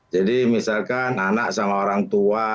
misalkan anak sama orang tua